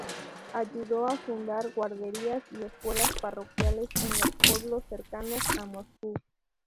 Ayudó a fundar guarderías y escuelas parroquiales en los pueblos cercanos a Moscú.